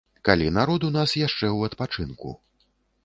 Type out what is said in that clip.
Калі народ у нас яшчэ ў адпачынку.